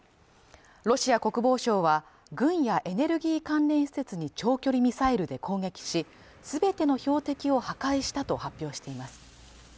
ロシア国防省は軍やエネルギー関連施設に長距離ミサイルで攻撃し全ての標的を破壊したと発表しています